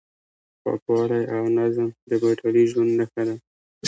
پاکوالی او نظم د بریالي ژوند نښه ده.